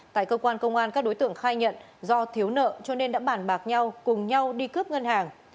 tại cơ quan công an các đối tượng khai nhận do thiếu nợ cho nên đã bản bạc nhau cùng nhau đi cướp ngân hàng